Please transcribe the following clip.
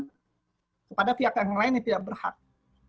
kepada pihak yang lain yang tidak berhak